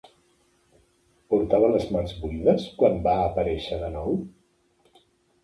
Portava les mans buides quan va aparèixer de nou?